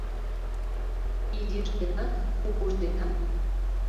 Изиж денат, кугуж денат